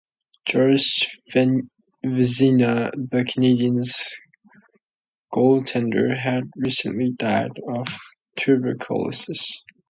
Georges Vezina, the Canadiens goaltender, had recently died of tuberculosis.